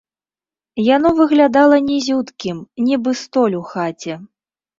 Яно выглядала нізюткім, нібы столь у хаце.